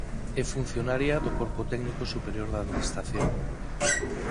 É funcionaria do corpo técnico superior da administración.